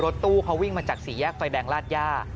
ตู้เขาวิ่งมาจากสี่แยกไฟแดงลาดย่า